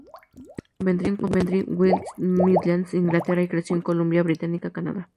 Nació en Coventry, West Midlands, Inglaterra, y creció en la Columbia Británica, Canadá.